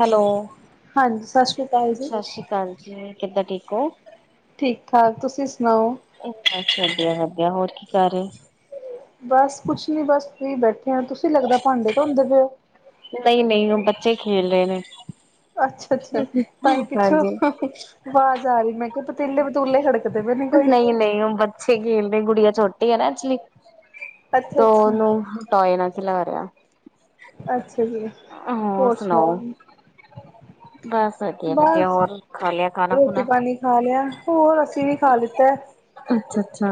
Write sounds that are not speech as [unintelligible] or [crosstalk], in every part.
Hello ਹਾਂਜੀ ਸਤਿ ਸ਼੍ਰੀ ਅਕਾਲ ਜੀ। ਸਤਿ ਸ੍ਰੀ ਅਕਾਲ ਜੀ ਕਿੱਦਾਂ ਠੀਕ ਹੋ? ਠੀਕ ਠਾਕ ਤੁਸੀਂ ਸੁਣਾਓ? ਅੱਛਾ-ਅੱਛਾ ਵਧੀਆ-ਵਧਿਆ ਹੋਰ ਕੀ ਕਰ ਰਹੇ ਸੀ? ਬਸ ਕੁਛ ਨੀ ਬਸ ਫਰੀ ਬੈਠੇ ਆ, ਤੁਸੀਂ ਲੱਗਦਾ ਭਾਂਡੇ ਧੋਂਦੇ ਪਏ ਹੋ? ਨਹੀਂ-ਨਹੀਂ ਉਹ ਬੱਚੇ ਖੇਲ ਰਹੇ ਨੇ। ਅੱਛਾ-ਅੱਛਾ। ਤਾਂਹੀ ਪਿੱਛੋਂ ਹਾਂਜੀ ਆਵਾਜ਼ ਆ ਰਹੀ ਮੈਂ ਕਿਹਾ ਪਤੀਲੇ ਵਤੂਲੇ ਖੜਕਦੇ ਪੇ ਨੀ ਕੋਈ। ਨਹੀਂ ਓ ਹੋਮਵਰਕ। ਪੱਛੇ ਖੇਲ ਦੇ ਗੁੜੀਆਂ ਛੋਟੀ ਆ ਨਾ ਐਕਚੁਲੀ 'ਤ ਅੱਛਾ ਅੱਛਾ। ਉਹਨੂੰ ਟੋਆਏ ਨਾਲ ਖਿਲਾ ਰਿਹਾ। ਅੱਛਾ ਜੀ। ਹੋਰ ਸੁਣਾਓ, ਬਸ। ਵਧੀਆ ਵਧੀਆ ਬਸ ਹੋਰ ਖਾ ਲਿਆ ਖਾਣਾ ਰੋਟੀ, ਖੁਣਾ ਪਾਣੀ ਖਾ ਲਿਆ ਹੋਰ ਅੱਸੀਂ ਵੀ ਖਾ ਲਿੱਤੈ। ਅੱਛਾ-ਅੱਛਾ।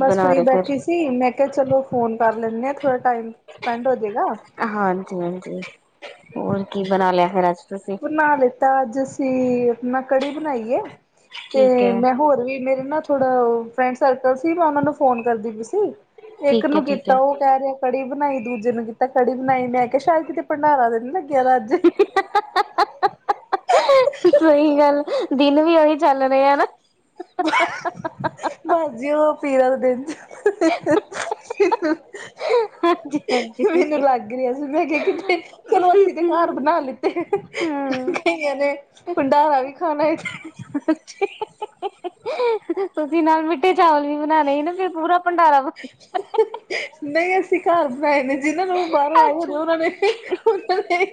ਬਸ ਫਰੀ ਬੈਠੀ ਸੀ ਮੈਂ ਕੇਆ ਚਲੋ ਫੋਨ ਕਰ ਲੈਂਨੇ ਆ ਥੋੜਾ ਟਾਈਮ ਸਪੈਂਡ ਹੋਜੇਗਾ। ਹਾਂਜੀ-ਹਾਂਜੀ, ਹੋਰ ਕੀ ਬਣਾ ਲਿਆ ਫੇਰ ਅੱਜ ਤੁਸੀਂ? ਬਣਾ ਲਿੱਤਾ ਅੱਜ ਅਸੀਂ ਮੈਂ ਕੜੀ ਬਣਾਈ ਏ ਠੀਕ 'ਤੇ ਹੈ ਮੈਂ ਹੋਰ ਵੀ ਮੇਰੇ ਨਾ ਥੋੜਾ ਓ ਫਰੈਂਡ ਸਰਕਲ ਸੀ ਮੈਂ ਉਨਾਂ ਨੂੰ ਫੋਨ ਕਰਦੀ ਪਈ ਸੀ, ਇੱਕ ਠੀਕ ਹੈ ਨੂੰ ਠੀਕ ਹੈ ਕੀਤਾ ਓ ਕੈ ਰੇਆ ਕੜੀ ਬਣਾਈ, ਦੂਜੇ ਨੂੰ ਕੀਤਾ ਕੜੀ ਬਣਾਈ ਮੈਂ ਕੇਆ ਸ਼ਾਇਦ ਕਿਤੇ ਭੰਡਾਰਾ 'ਤੇ ਨੀ ਲੱਗਿਆ ਦਾ ਅੱਜ। ਸਈ ਗੱਲ ਦਿਨ ਵੀ ਉਹੀ ਚੱਲ ਰੇ ਐ ਨਾ। [inaudible] ਬਾਸ ਜੀ ਓ ਪੀਰਾਂ ਦਾ ਦਿਨ ਹਾਂਜੀ-ਹਾਂਜੀ ਮੈਨੂੰ ਲੱਗ ਰੇਆ ਸੀ ਮੈਂ ਕੇਆ ਕਿੱਥੇ ਚਲੋ ਅਸੀਂ 'ਤੇ ਘਰ ਬਣਾ ਲਿੱ ਤੀ ਹਾਂ ਕਈਆਂ ਨੇ ਭੰਡਾਰਾ ਵੀ ਖਾਣਾ ਏ। ਅੱਛੇ। ਤੁਸੀਂ ਨਾਲ ਮਿੱਠੇ ਚਾਵਲ ਵੀ ਬਣਾਣੇ ਈ ਨਾ ਫਿਰ ਪੂਰਾ ਭੰਡਾਰਾ ਨਈ ਅਸੀਂ ਘਰ ਬਣਾਏ ਨੇ ਜਿਨਾਂ ਨੂੰ ਵੀ ਬਾਰੋਂ ਆਏ ਅੱਛਾ ਹੋਦੇ ਉਨਾਂ ਨੇ ਉਨਾਂ ਨੇ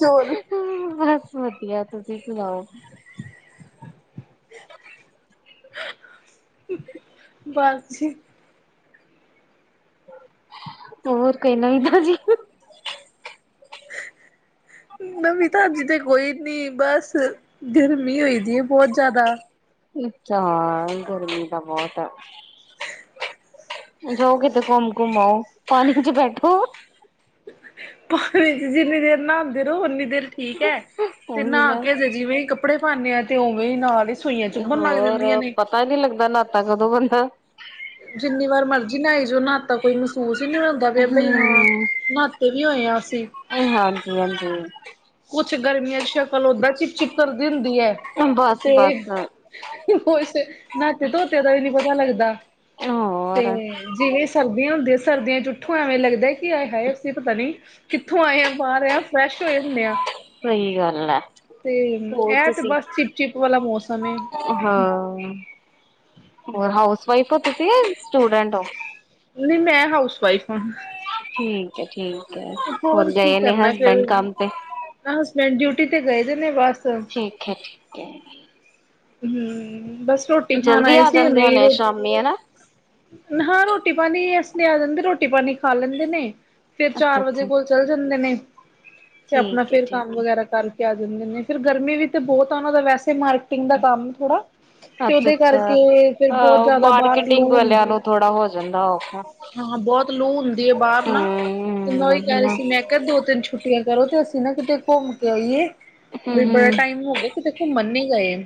ਚੋਰ ਬਸ ਵਧੀਆ ਤੁਸੀਂ ਸੁਣਾਓ? ਬਸ ਜੀ। ਹੋਰ ਕੋਈ ਨਵੀ ਤਾਜ਼ੀ। [inaudible] ਨਵੀਂ ਤਾਂਜੀ ਤੇ ਕੋਈ ਨੀ ਬਸ ਗਰਮੀ ਹੋਈ ਦੀ ਏ ਬੋ ਜਿਆਦਾ। ਚਾਰ ਗਰਮੀ ਤਾਂ ਬੋਤ ਐ। ਜਾਓ ਕਿਤੇ ਘੁੰਮ-ਘੁੰਮ ਆਓ, ਪਾਣੀ 'ਚ ਬੈਠੋ। ਪਾਣੀ 'ਚ ਜਿੰਨੀ ਦੇਰ ਨਾਂਦੇ ਰੋ ਉਨੀ ਦੇਰ ਠੀਕ ਐ 'ਤੇ ਨਾ ਕੇ ਜੇ ਜਿਵੇਂ ਈ ਕੱਪੜੇ ਪਾਨੇ ਆ 'ਤੇ ਉਵੇਂ ਈ ਨਾਲ ਈ ਸੁਈਆਂ ਚੁੱਭਣ ਲੱਗ ਜਾਂਦੀਆਂ ਨੇ। ਤਾਂ ਈ ਨੀ ਲੱਗਦਾ ਨਾਤਾ ਕਦੋਂ ਬੰਦਾ। ਜਿੰਨੀ ਵਾਰ ਮਰਜ਼ੀ ਨਾਈ ਜੋ ਨਾਤਾ ਕੋਈ ਮਹਸੂਸ ਈ ਨੀ ਹੁੰਦਾ ਪਿਆ ਬਈ ਹੂੰ ਹਾਂ, ਨਾ ਤੇ ਵੀ ਉਏ ਆ ਅਸੀਂ। ਆਈ ਹਾਂਜੀ-ਹਾਂਜੀ। ਕੁਛ ਗਰਮੀਆਂ 'ਚ ਸ਼ਕਲ ਓਦਾਂ ਚਿਪ-ਚਿਪ ਕਰਦੀ ਹੁੰਦੀ ਐ, ਤੇ ਬਸ-ਬਸ ਕੁਛ ਨਾਤੇ ਧੋਤੇ ਦਾ ਵੀ ਨੀ ਪਤਾ ਲੱਗਦਾ, ਤੇ ਹੋਰ ਜਿਵੇਂ ਸਰਦੀਆਂ ਹੁੰਦੀਆਂ ਸਰਦੀਆਂ 'ਚ ਉੱਠੋਂ ਐਵੇਂ ਲੱਗਦੈ ਕੀ ਆਏ-ਹਾਏ ਅਸੀਂ ਪਤਾ ਨੀ ਕਿੱਥੋਂ ਆਏ ਆ ਬਾਰ ਆ ਫਰੈਸ਼ ਹੋਏ ਹੁੰਨੇ ਆ। ਸਈ ਗੱਲ ਐ, ਤੇ ਹੋਰ ਇਹ ਤੇ ਤੁਸੀ। ਬਸ ਚਿਪ ਚਿਪ ਵਾਲਾ ਮੌਸਮ ਏ ਹਾਂ, ਹੋਰ ਹਾਊਸ ਵਾਈਫ ਹੋ ਤੁਸੀਂ ਯਾ ਸਟੂਡੈਂਟ ਓ? ਨਈ ਮੈਂ ਹਾਊਸ ਵਾਈਫ ਆ। ਠੀਕ ਐ, ਠੀਕ ਐ ਹੋਰ ਕੀ ਗਏ ਨੇ ਕਰਨਾ ਫਿਰ ਹਸਬੈਂਡ ਕੰਮ ਤੇ। ਹਸਬੈਂਡ ਡਿਊਟੀ 'ਤੇ ਗਏ ਦੇ ਨੇ ਬਸ। ਠੀਕ ਹੈ ਠੀਕ ਐ। ਹੂੰ ਬਸ ਰੋਟੀ ਖਾਣ ਜਲਦੀ ਆਏ ਆ ਸੀ ਜਾਂਦੇ ਹੁਣੇ ਈ ਹੋਣੇ ਰੋ ਸ਼ਾਮੀ ਹਨਾ ਹਾਂ ਰੋਟੀ ਪਾਣੀ ਐਸਲੇ ਆ ਜਾਂਦੇ, ਰੋਟੀ ਪਾਣੀ ਖਾ ਲੈਂਦੇ ਨੇ ਫੇਰ ਅੱਛਾ ਚਾਰ ਵਜੇ ਅੱਛਾ ਕੋਲ ਚੱਲ ਜਾਂਦੇ ਨੇ, ਫੇਰ ਆਪਣਾ ਠੀਕ ਹੈ ਫੇਰ ਕੰਮ ਠੀਕ ਹੈ ਵਗੈਰਾ ਕਰ ਕੇ ਆ ਜਾਂਦੇ ਨੇ ਫਿਰ ਗਰਮੀ ਵੀ 'ਤੇ ਬੋਤ ਆ ਉਨਾਂ ਦਾ ਵੈਸੇ ਮਾਰਕੀਟਿੰਗ ਦਾ ਕੰਮ ਥੋੜਾ ਤੇ ਅੱਛਾ ਉਹਦੇ ਅੱਛਾ ਕਰਕੇ ਫੇਰ ਬਹੁਤ ਆਹੋ ਜ਼ਿਆਦਾ ਬਾਹਰ ਲੂ ਮਾਰਕੀਟਿੰਗ ਵਾਲਿਆਂ ਹੁੰਦੀ ਨੂੰ ਹੈ। ਥੋੜਾ ਹੋ ਜਾਂਦਾ ਔਖਾ ਹਾਂ ਬਹੁਤ ਲੂ ਹੁੰਦੀ ਹੈ ਬਾਹਰ ਨਾ ਤੇ ਮੈਂ ਓਹੀ ਹਮ ਕਹ ਰਹੀ ਸੀ ਹਮ ਮੈਂ ਦੋ-ਤਿੰਨ ਛੁੱਟੀਆਂ ਕਰੋ ਤੇ ਅਸੀਂ ਨਾ ਕਿਤੇ ਘੁੰਮ ਕੇ ਆਈਏ ਬਈ ਬੜਾ ਹਮ ਟਾਈਮ ਹੋ ਗਿਆ ਕਿਥੇ ਘੁਮੰਨ ਨੀ ਗਏ।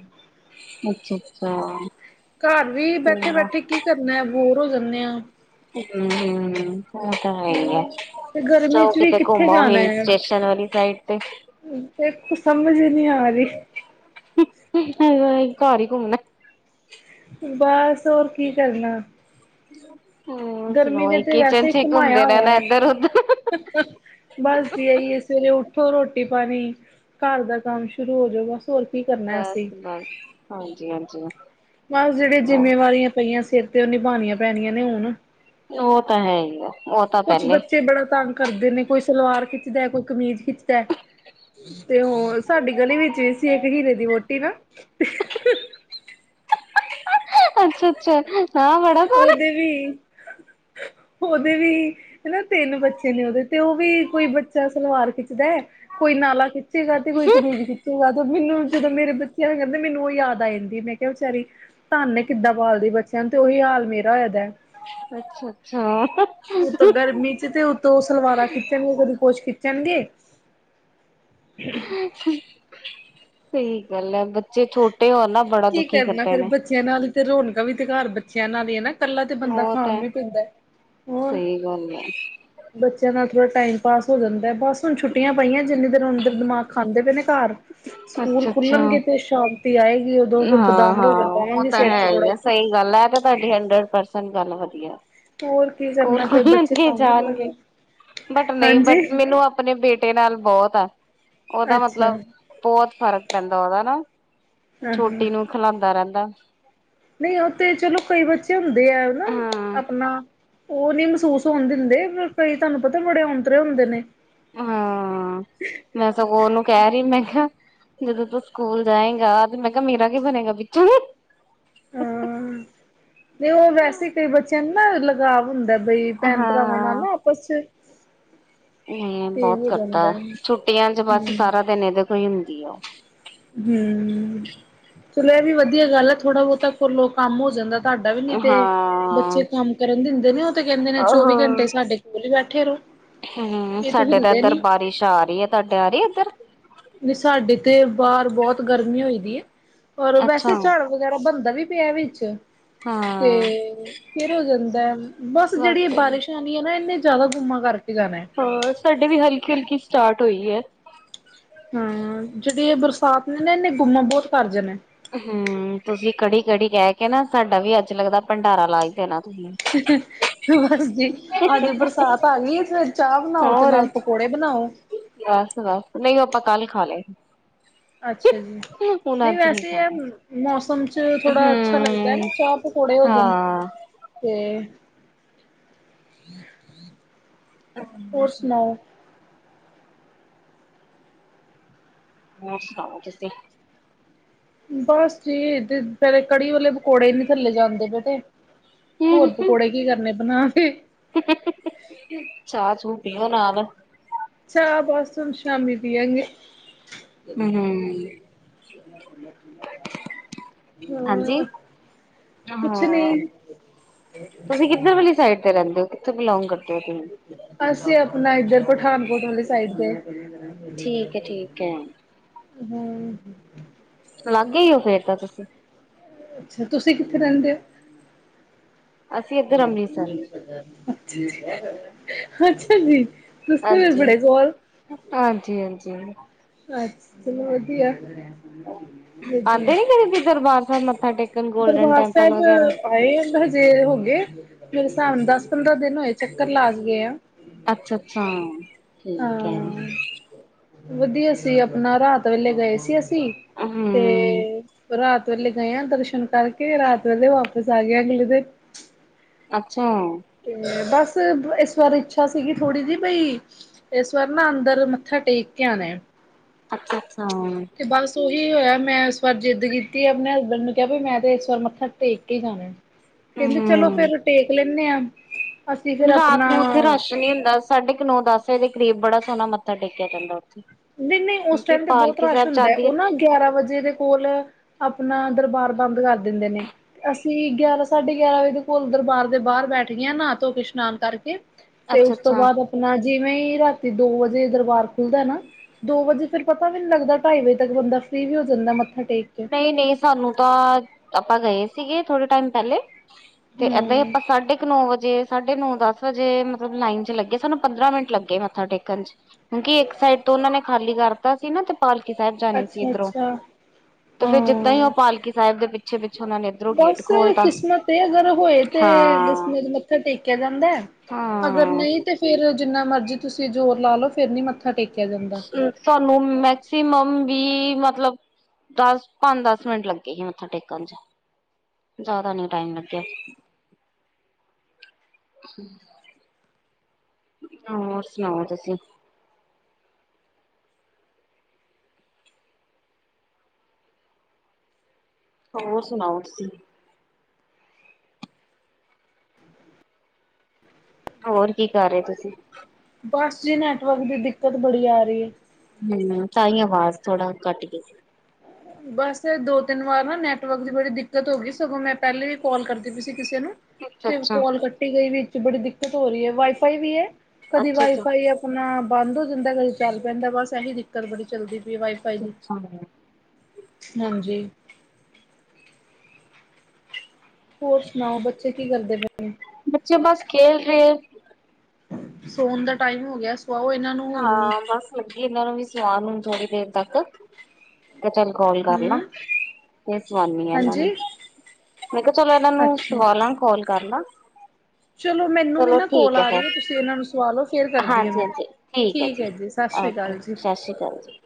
ਅੱਛਾ ਅੱਛਾ। ਘਰ ਵੀ ਬੈਠੇ ਹਮ ਬੈਠੇ ਕੀ ਕਰਨਾ ਬੋਰ ਹੋ ਜਾਂਣੇ ਆਂ। ਹਮ ਹਮ ਇਹ ਤਾ ਹੈ ਹੀ ਐ ਹਮ ਤੇ ਗਰਮੀ ਜਾਓ ਚ ਵੀ ਕਿਤੇ ਕਿੱਥੇ ਘੁੰਮ ਆਓ ਜਾਣਾ ਹਿਲ ਹੈ ਸਟੇਸ਼ਨ ਵਾਲੀ ਸਾਈਡ ਤੇ। ਦੇਖੋ ਸਮਝ ਹੀ ਨਹੀਂ ਆਰੀ। ਘਰ ਹੀ ਘੁਮਣਾ। ਬਸ ਹੋਰ ਕੀ ਕਰਨਾ। ਹੋਰ ਗਰਮੀ ਨੇ ਸੁਣਾਓ ਤੇ ਕਿਚਨ ਵੈਸੇ ਚ ਹੀ ਘੁਮਾਇਆ ਘੁੰਮਦੇ ਹੋਇਆ ਰਹਨਾ ਹੈ। ਇੱਧਰ ਉਧਰ। [unintelligible] ਬਸ ਜੀ ਐਈਏ ਸਵੇਰੇ ਉਠੋ ਰੋਟੀ ਪਾਣੀ ਘਰ ਦਾ ਕੰਮ ਸ਼ੁਰੂ ਹੋ ਜੋ ਬਸ। ਹੋਰ ਕੀ ਕਰਨਾ ਅਸੀਂ। ਹਾਂ ਹਾਂਜੀ ਹਾਂਜੀ। ਨਾਲ ਜਿਹੜੀਆਂ ਜਿੰਮੇਵਾਰੀਆਂ ਪਈਆਂ ਸਿਰ ਤੇ ਉਹ ਨਿਭਉਣੀਆਂ ਪੈਣੀਆਂ ਨੇ ਹੁਣ। ਉਹ ਤਾਂ ਹੈ ਹਿਏ। ਕੁਛ ਬੱਚੇ ਬੜਾ ਤੰਗ ਕਰਦੇ ਨੇ ਕੋਈ ਸਲਵਾਰ ਖਿੱਚਦਾ ਕੋਈ ਕਮੀਜ਼ ਖਿੱਚਦਾ। ਤੇ ਹੋਰ ਸਾਡੀ ਗਲੀ ਵਿੱਚ ਵੀ ਸੀ ਇੱਕ ਹੀਰੇ ਦੀ ਵੋਹਟੀ ਨਾ। ਅੱਛਾ ਅੱਛਾ। ਨਾ ਬੜਾ ਸੋਹਣਾ ਉਹਦੇ ਵੀ ਉਹਦੇ ਵੀ ਹਨਾ ਤਿੰਨ ਬੱਚੇ ਨੇ ਉਹਦੇ ਤੇ ਉਹ ਵੀ ਕੋਈ ਬੱਚਾ ਸਲਵਾਰ ਖਿੱਚਦਾ ਹੈ ਕੋਈ ਨਾਲਾ ਖਿੱਚੇਗਾ ਤੇ ਕੋਈ ਕਮੀਜ਼ ਖਿੱਚ ਚੇ ਗਾ ਮੈਨੂੰ ਜਦੋਂ ਮੇਰੇ ਬੱਚਿਆਂ ਐਵੇ ਕਰਦੇ ਮੈਨੂੰ ਉਹ ਯਾਦ ਆ ਜਾਂਦੀ ਮੈਂ ਕਿਹਾ ਵੇਚਾਰੀ ਧੰਨ ਏ ਕਿੱਦਾਂ ਪਾਲਦੀ ਬੱਚਿਆਂ ਨੂੰ ਤੇ ਉਹੀ ਹਾਲ ਮੇਰਾ ਹੋਯਾਦਾ। ਅੱਛਾ ਅੱਛਾ [unintelligible] ਗਰਮੀ ਚ ਤੇ ਤੋਂ ਸਲਵਾਰਾਂ ਖਿੱਚਣਗੇ ਕਦੇ ਕੁਛ ਖਿੱਚਣਗੇ ਸਹੀ ਗੱਲ ਏ ਬ ਕੀ ਕਰਨਾ ਫੇਰ ਨੇ ਬੱਚਿਆਂ ਨਾਲ ਹੀ ਤੇ ਰੌਣਕਾ ਵੀ ਤੇ ਘਰ ਬੱਚਿਆਂ ਨਾਲ ਹਿਏਨਾ। ਕੱਲਾ ਤੇ ਬੰਦਾ ਉਹ ਖਾਣ ਤਾਂ ਨੁੰ ਹੀ ਪੈਂਦਾ। ਹੋਰ ਸਹੀ ਗੱਲ ਹੈ। ਬੱਚਿਆਂ ਨਾਲ ਥੋੜ੍ਹਾ ਟਾਈਮ ਪਾਸ ਹੋ ਜਾਂਦਾ ਬਸ ਹੁਣ ਛੁੱਟੀਆਂ ਪਈਆਂ ਜਿੰਨੀ ਦੇਰ ਓਹਨੀ ਦੇਰ ਦਿਮਾਗ ਖਾਂਦੇ ਪਏ ਨੇ ਘਰ। ਸਕੂਲ ਅੱਛਾ ਅੱਛਾ ਖੁੱਲਣਗੇ ਤੇ ਸ਼ਾਂਤੀ ਆਏਗੀ ਉਦੋਂ ਫੇਰ ਹਾਂ ਬਦਾਮ ਹਾਂ ਰੋਗਣ ਉਹ ਪਾਵਾਂਗੀ ਤਾਂ ਸਿਰ ਚ ਹੈ ਹੀ ਥੋੜਾ। ਆ ਸਹੀ ਗੱਲ ਹੈ ਤੇ ਤੁਹਾਡੀ ਹੰਡਰਡ ਪਰਸੈਂਟ ਗੱਲ ਵਧੀਆ। ਹੋਰ ਕੀ ਸਕੂਲ ਕਰਨਾ ਫਿਰ ਬੱਚੇ ਖੁਲਣਗੇ ਤੰਗ ਹੀ ਬੜਾ ਜਾਣਗੇ ਕਰਦੇ ਬਟ ਨਹੀਂ ਹਾਂਜੀ ਬਟ ਮੈਨੂੰ ਆਪ ਅਪਣੇ ਬੇਟੇ ਨਾਲ ਬਹੁਤ ਆ ਉਹਦਾ ਅੱਛਾ ਮਤਲਬ ਹਾਂ ਬਹੁਤ ਫ਼ਰਕ ਪੈਂਦਾ ਉਹਦਾ ਨਾ ਹਾਂ ਛੋਟੀ ਨੂੰ ਖਿਲਾਂਦਾ ਰਹਿੰਦਾ। ਨਹੀਂ ਉਹ ਤੇ ਚਲੋ ਕਈ ਬੱਚੇ ਹੁੰਦੇ ਆ ਹਨਾ ਹਾਂ ਆਪਣਾ ਉਹ ਨਹੀਂ ਮਹਿਸੂਸ ਹੋਣ ਦਿੰਦੇ ਕਈ ਤੁਹਾਨੂੰ ਪਤਾ [unintelligible] ਉਂਤਰੇ ਹੁੰਦੇ ਨੇ। ਹਾਂ ਮੈਂ ਸਗੋਂ ਉਹਨੂੰ ਕਹਿ ਰਹੀ ਮੈਂ ਕਿਹਾ ਜਦੋਂ ਤੂੰ ਸਕੂਲ ਜਾਏਗਾ ਤੇ ਮੈਂ ਕਿਹਾ ਮੇਰਾ ਕੀ ਬਣੇਗਾ ਪਿੱਛੋਂ। ਹਾਂ ਨਈ ਓ ਵੈਸੇ ਕਈ ਬੱਚਿਆਂ ਨੂੰ ਨਾ ਲਗਾਵ ਹੁੰਦਾ ਬਈ ਭੈਣ-ਭਰਾਵਾਂ ਨਾਲ ਹਾਂ ਨਾ ਆਪਸ 'ਚ ਹੂੰ ਤੇ ਬੋਤ ਹੋ ਕਰਤਾ ਜਾਂਦਾ ਹੈ ਛੁੱਟੀਆਂ 'ਚ ਬਸ ਹੂੰ, ਸਾਰਾ ਦਿਨ ਇਦੇ ਕੋਲ ਹੀ ਹੁੰਦੀ ਆ। ਹੂੰ ਚਲੋ ਐ ਵੀ ਵਧੀਆ ਗੱਲ ਐ ਥੋੜਾ ਬੋਤਾ ਕੋਲੋ ਕੰਮ ਹੋ ਜਾਂਦਾ। ਤਾਡਾ ਵੀ ਨੀ ਤੇ ਹਾਂ ਬੱਚੇ ਕੰਮ ਕਰਨ ਦਿੰਦੇ ਨੇ ਓ ਤੇ ਕੈਂਦੇ ਨੇ ਉਹ ਚੌਵੀ ਘੰਟੇ ਸਾਡੇ ਕੋਲ ਈ ਬੈਠੇ ਰੋ। ਹੂੰ ਸਾਡੇ ਤਾਂ ਇੱਧਰ ਬਾਰਿਸ਼ ਆ ਰਈ ਏ ਤੁਹਾਡੇ ਆ ਰਈ ਇੱਧਰ ਨਈ ਸਾਡੇ ਤੇ ਬਾਰ ਬੋਤ ਗਰਮੀ ਹੋਈ ਦੀ ਏ ਔਰ ਵੈਸੇ ਅੱਛਾ ਝੜ ੜ ਵਗੈਰਾ ਬਣਦਾ ਵੀ ਪਿਆ ਵਿੱਚ ਤੇ ਹਾਂ ਫਿਰ ਹੋ ਜਾਂਦਾ ਬਸ ਜੇੜੀ ਸਾਡੇ ਬਾਰਿਸ਼ਾਂ ਮੀਂਹ ਆਣਾ ਇੰਨੇ ਜਾਦਾ ਗੁੰਮਾ ਕਰਕੇ ਜਾਣਾ। ਹਾਂ ਸਾਡੇ ਵੀ ਹਲਕੀ-ਹਲਕੀ ਸਟਾਰਟ ਹੋਈਏ। ਹੂੰ ਜੇੜੀ ਏ ਬਰਸਾਤ ਨੇ ਨਾ ਇਨੇ ਗੁੰਮਾਂ ਬੋਤ ਕਰ ਜਾਣਾ। ਹੂੰ ਤੁਸੀ ਕੜੀ-ਕੜੀ ਕੈ ਕੇ ਨਾ ਸਾਡਾ ਵੀ ਅੱਜ ਲੱਗਦਾ ਭੰਡਾਰਾ ਲਾ ਈ ਦੇਣਾ ਤੁਸੀ [inaudible] ਬਸ ਜੀ ਅੱਜ ਬਰਸਾਤ ਆ ਗਈ ਫਿਰ ਚਾਹ ਬਣਾਓ ਤੇ ਹੋਰ ਨਾਲ ਪਕੌੜੇ ਬਣਾਓ। ਬਸ-ਬਸ ਨਈ ਓ ਆਪਾਂ ਕੱਲ ਖਾ ਲਏ। ਅੱਛਾ ਜੀ। ਸੀ, ਹੁਣ ਨਈ ਅੱਜ ਨੀ ਵੈਸੇ ਐ ਖਾਣਾ। ਮੌਸਮ 'ਚ ਥੋੜ੍ਹਾ ਅੱਛਾ ਲੱਗਦਾ ਹੈ ਹੂੰ ਨਾ ਚਾਹ ਪਕੋੜੇ ਹੋ ਜਾਣ। ਹਾਂ ਤੇ ਹੋਰ ਸੁਣਾਉ। ਹੋਰ ਸੁਣਾਓ ਤੁਸੀ ਬਸ ਜੀ ਤ ਤੇਰੇ ਕੜੀ ਵਾਲੇ ਪਕੌੜੇ ਨਈ ਥੱਲੇ ਜਾਂਦੇ ਪੇ ਤੇ ਹੋਰ ਪਕੌੜੇ ਕੀ ਕਰਨੇ ਬਣਾ ਕੇ। ਚਾਹ ਚੂ ਪੀਓ ਨਾਲ ਚਾਹ ਬਸ ਹੁਣ ਸ਼ਾਮੀ ਪੀਆਂ ਗੇ। ਹੂੰ ਹਾਂਜੀ ਹਾਂ ਕੁਛ ਨੀ ਹਾਂ। ਤੁਸੀ ਕਿੱਧਰ ਵਾਲੀ ਸਾਈਡ ਤੇ ਰੈਂਦੇ ਹੋ ਕਿੱਥੋਂ ਬਿਲੋਂਗ ਕਰਦੇ ਹੋ ਤੁਸੀ ਅਸੀ ਆਪਣਾ ਇੱਧਰ ਪਠਾਨਕੋਟ ਵਾਲੀ ਸਾਈਡ ਤੇ ਠੀਕ ਐ ਠੀਕ ਐ। ਹੂੰ ਲੱਗੇ ਈ ਓ ਫਿਰ ਤਾ ਤੁਸੀ ਅੱਛਾ ਤੁਸੀ ਕਿੱਥੇ ਰੈਂਦੇ ਓ। ਅਸੀਂ ਇੱਧਰ ਅੰਮ੍ਰਿਤਸਰ ਅੱਛਾ ਜੀ। ਤੁਸੀਂ ਤੇ ਫਿਰ ਬੜੇ ਕੋਲ ਹਾਂਜੀ-ਹਾਂਜੀ-ਹਾਂਜੀ-ਹਾਂਜੀ। ਅੱਛਾ ਚਲੋ ਵਧੀਆ ਆਂਦੇ ਵਧੀਆ। ਨੀ ਕਦੇ ਵੀ ਦਰਬਾਰ ਸਾਹਿਬ ਮੱਥਾ ਟੇਕ ਦਰਬਾਰ ਸਾਹਿਬ ਆਏ ਆਂ ਸ ਫਿਰ ਹੋ ਗਏ ਮੇਰੇ ਹਿਸਾਬ ਨਾਲ ਦਸ ਪੰਦਰਾਂ ਦਿਨ ਹੋਏ ਚੱਕਰ ਲਾ ਕੇ ਗਏ ਆਂ। ਅੱਛਾ-ਅੱਛਾ ਠੀਕ ਐ। ਹਾਂ। ਵਧੀਆ ਸੀ ਆਪਣਾ ਰਾਤ ਵੇਲੇ ਗਏ ਸੀ ਅਸੀ ਹੂੰ ਤੇ ਰਾਤ ਵੇਲੇ ਗਏ ਆਂ ਦਰਸ਼ਨ ਕਰਕੇ ਰਾਤ ਵੇਲੇ ਵਾਪਿਸ ਆ ਗਏ ਆਂ ਅਗਲੇ ਦਿਨ ਅੱਛਾ ਤੇ ਬਸ ਇਸ ਵਾਰ ਇੱਛਾ ਸੀਗੀ ਥੋੜ੍ਹੀ ਜਿਹੀ ਬਈ ਤੇ ਏਸ ਵਾਰ ਨਾ ਅੰਦਰ ਮੱਥਾ ਟੇਕ ਕੇ ਆਂ ਨ ਅੱਛਾ - ਅੱਛਾ ਤੇ ਬਸ ਉਹੀ ਹੋਇਆ ਮੈਂ ਇਸ ਵਾਰ ਜਿੱਦ ਕੀਤੀ ਆਪਣੇ ਹਸਬੈਂਡ ਨੂੰ ਕਿਹਾ ਵੀ ਮੈਂ ਤੇ ਇਸ ਵਾਰ ਮੱਥਾ ਟੇਕ ਕੇ ਹੀ ਜਾਣਾ ਕਹਿੰਦੇ ਚਲੋ ਹਮ ਫੇਰ ਟੇਕ ਲੈਂ ਨੇ ਆਂ ਰਾਤ ਨੂੰ ਉੱਥੇ ਰਸ਼ ਨਹੀਂ ਹੁੰਦਾ ਸਾਢੇ ਕੁ ਨੌ ਦਸ ਵਜੇ ਦੇ ਕਰੀਬ ਬੜਾ ਸੋਹਣਾ ਮੱਥਾ ਟੇਕਿਆ ਜਾਂਦਾ ਉੱਥੇ ਨਹੀਂ - ਨਹੀਂ ਉਸ ਕਿ ਟਾਈਮ ਤੇ ਬਹੁਤ ਪਾਲਕੀ ਰਸ਼ ਸਾਹਿਬ ਹੁੰਦਾ ਜਾਂਦੀ ਹੈ ਉਹ ਨਾ ਗਿਆਰਾਂ ਵਜੇ ਦੇ ਕੋਲ ਆਪਣਾ ਦਰਬਾਰ ਬੰਦ ਕਰ ਦਿੰਦੇ ਨੇ ਅਸੀਂ ਗਿਆਰਾਂ ਸਾਢੇ ਗਿਆਰਾਂ ਵਜੇ ਦੇ ਕੋਲ ਦਰਬਾਰ ਦੇ ਬਾਹਰ ਬੈਠ ਗਏ ਨਾਹਾ ਧੋ ਕੇ ਇਸ਼ਨਾਨ ਕਰਕੇ ਤੇ ਅੱਛਾ ਉਸ ਤੋਂ ਅੱਛਾ ਬਾਅਦ ਆਪਣਾ ਜਿਵੇਂ ਰਾਤੀ ਦੋ ਵਜੇ ਦਰਬਾਰ ਖੁੱਲਦਾ ਨਾ ਦੋ ਵਜੇ ਫੇਰ ਪਤਾ ਵੀ ਨੀ ਲੱਗਦਾ ਢਾਈ ਵਜੇ ਤੱਕ ਬੰਦਾ ਫਰੀ ਵੀ ਹੋ ਜਾਂਦਾ ਮੱਥਾ ਟੇ ਨਹੀਂ - ਨਹੀਂ ਸਾਨੂੰ ਤਾਂ ਆਪਾਂ ਗਏ ਸੀਗੇ ਥੋੜੇ ਟਾਈਮ ਪਹਿਲੇ ਤੇ ਇੱਦਾਂ ਹੀ ਹੂੰ। ਆਪਾਂ ਸਾਢੇ ਕੁ ਨੌ ਵਜੇ ਸਾ ਨੋ ਦਸ ਵਜੇ ਮਤਲਬ ਲਾਈਨ ਚ ਲੱਗੇ ਸਾਨੂੰ ਪੰਦਰਾਂ ਮਿੰਟ ਲੱਗੇ ਮੱਥਾ ਟੇਕਣ ਚ ਕਿਉਂਕਿ ਇੱਕ ਸਾਈਡ ਤੋਂ ਉਹਨਾ ਨੇ ਖਾਲੀ ਕਰਤਾ ਸੀ ਨਾ ਤੇ ਪਾਲਕੀ ਸਾਹਿਬ ਜਾਣੀ ਸੀ ਅੱਛਾ ਇਧਰੋਂ ਅੱਛਾ ਤੇ ਫੇਰ ਜਿੱਦਾਂ ਹੀ ਉਹ ਹਾਂ ਪਾਲਕੀ ਸਾਹਿਬ ਦੇ ਪਿੱਛੇ - ਪਿੱਛੇ ਉਹਨਾਂ ਨੇ ਇੱਧਰੋਂ ਗੇਟ ਬਸ ਖੋਲਤਾ ਕਿਸਮਤ ਤੇ ਅਗਰ ਹੋਏ ਤੇ ਹਾਂ ਜਮੇਤ [unintelligible] ਮੱਥਾ ਟੇਕਿਆ ਜਾਂਦਾ ਹੈ ਅਗਰ ਹਾਂ ਨਹੀਂ ਤੇ ਫੇਰ ਜਿਨਾ ਮਰਜ਼ੀ ਤੁਸੀਂ ਜ਼ੋਰ ਲਾ ਲਓ ਫੇਰ ਨੀ ਮੱਥਾ ਟੇਕਿਆ ਜਾਂਦਾ। ਸਾਨੂੰ ਮੈਕਸੀਮਮ ਵੀ ਮਤਲਬ ਦਸ ਪੰਜ ਦਸ ਮਿੰਟ ਲੱਗੇ ਮੱਥਾ ਟੇਕਣ ਚ। ਜਾਦਾ ਨੀ ਟਾਈਮ ਲੱਗੇਆ। ਹੋਰ ਸੁਣਾਓ ਤੁਸੀਂ। ਹੋਰ ਸੁਣਾਓ ਤੁਸੀਂ। ਹੋਰ ਕੀ ਕਰ ਰੇ ਤੁਸੀਂ। ਬਸ ਜੀ ਨੈਟਵਰਕ ਦੀ ਦਿੱਕਤ ਬੜੀ ਆ ਰੀ ਏ। ਹੁ ਤਾਂਈ ਆਵਾਜ਼ ਥੋੜਾ ਘਟ ਗੀ ਸੀ। ਬਸ ਦੋ ਤਿੰਨ ਵਾਰ ਨਾ ਨੈਟਵਰਕ ਦੀ ਬੜੀ ਦਿੱਕਤ ਹੋ ਗਈ ਸਗੋਂ ਮੈਂ ਪੇਲੇ ਵੀ ਕਾਲ ਕਰਦੀ ਪਈ ਸੀ ਕਿਸੇ ਨੂੰ। ਅੱਛਾ ਤੇ ਅੱਛਾ ਕਾਲ ਕੱਟੀ ਗਈ ਵਿਚ ਬੜੀ ਦਿੱਕਤ ਹੋ ਰੀ ਏ ਵਾਈਫਾਈ ਵੀ ਏ ਕਦੀ ਅੱਛਾ ਵਾਈਫਾਈ ਅਪਣਾ ਬੰਦ ਹੋ ਜਾਂਦੇ ਕਦੀ ਚਾਲ ਪੈਂਦੇ ਬਾਸ ਐਹੀ ਦਿੱਕਤ ਬੜੀ ਚੱਲਦੀ ਪਈ ਵਾਈਫ ਅਛਾੱ। ਹਾਂਜੀ। ਹੋਰ ਸੁਣਾਓ ਬੱਚੇ ਕੀ ਕਰਦੇ ਪੇ। ਬੱਚੇ ਬਾਸ ਖੇਲ ਰੇ। ਸੋਣ ਦਾ ਟਾਈਮ ਹੋ ਗਏ ਸਆਓ ਏਨਾਂ ਹਾਂ ਬਾਸ ਲੱਗੀ ਏਨਾਂ ਨੂੰ ਵੀ ਸਵਾਨ ਹੁਣ ਥੋੜੀ ਦੇਰ ਤੱਕ। ਮੈਂ ਚੱਲ ਕਾਲ ਕਰ ਲਾ ਹੂੰ। ਫੇਰ ਸਵਾਨੀ ਆ ਏਨਾਂ ਨੂੰ। ਹਾਂਜੀ ਮੈਂ ਕਿਹਾ ਚਲੋ ਏਨਾਂ ਨੂੰ ਅੱਛਾ। ਸਵਾਲਾਂ ਕਾਲ ਕਰ ਲਾ। ਚਲੋ ਮੈਨੂੰ ਵੀ ਨਾ ਕੋਲ ਆ ਰੀ ਏ ਤੁਸੀਂ ਏਨਾਂ ਨੂੰ ਸਵਾਲੋ ਫੇਰ ਕਰਦੀ ਆ ਹਾਂਜੀ ਮੈਂ। ਹਾਂਜੀ ਠੀਕ ਏ ਜੀ ਹੈ ਸਤਿ ਸ਼੍ਰੀ ਓਕੇ ਅਕਾਲ ਜੀ। ਸ਼ਸੀ ਕਾਲ ਜੀ।